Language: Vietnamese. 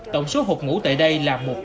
tổng số hộp ngủ tại đây là một trăm hai mươi năm